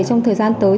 trong thời gian tới